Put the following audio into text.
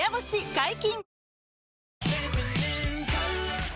解禁‼